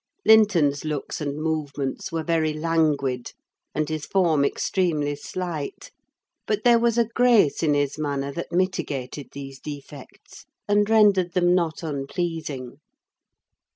Linton's looks and movements were very languid, and his form extremely slight; but there was a grace in his manner that mitigated these defects, and rendered him not unpleasing.